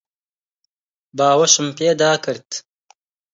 باوەشم پێدا کرد.